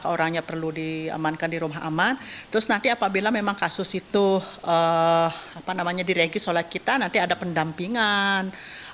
orangnya perlu diamankan di rumah aman terus nanti apabila memang kasus itu diregis oleh kita nanti ada pendampingan